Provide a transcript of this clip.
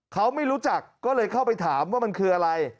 เขาไม่รู้จักก็เลยเข้าไปถามว่ามันคืออะไร